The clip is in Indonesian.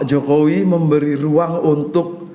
jadi memberi ruang untuk